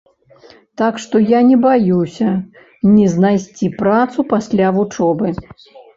Так што я не баюся не знайсці працу пасля вучобы.